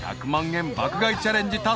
１００万円爆買いチャレンジ